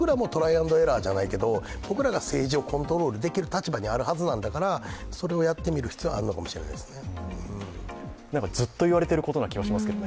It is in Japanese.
・アンド・エラーじゃないけど僕らが政治をコントロールできる立場にあるんだからそれをやってみる必要はあるのかもしれないですね。